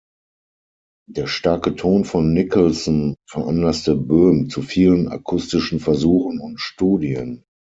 Der starke Ton von Nicholson veranlasste Böhm zu vielen akustischen Versuchen und Studien.